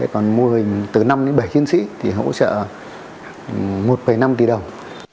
còn mô hình từ năm đến bảy chiến sĩ hỗ trợ một bảy mươi năm tỷ đồng